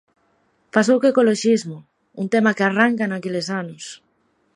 Pasou co ecoloxismo, un tema que arranca naqueles anos.